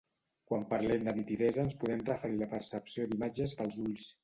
Quan parlem de nitidesa ens podem referir a la percepció d’imatges pels ulls.